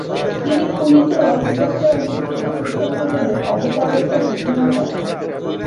তিনি পুরীতে রথযাত্রার অনুষ্ঠানে চৈতন্যদেবের অবতারত্ব ঘোষণা করেন।